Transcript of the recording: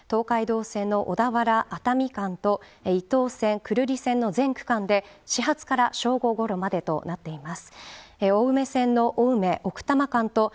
東海道線の小田原、熱海間と伊東線、久留里線の全区間で始発から正午ごろまでとなっています。